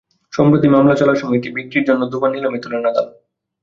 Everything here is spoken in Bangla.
সম্প্রতি মামলা চলার সময় এটি বিক্রির জন্য দুবার নিলামে তোলেন আদালত।